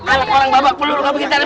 alang erang babak perlu rugak begitanya